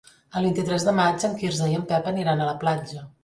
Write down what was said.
El vint-i-tres de maig en Quirze i en Pep aniran a la platja.